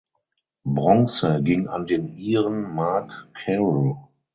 Bronze ging an den Iren Mark Carroll.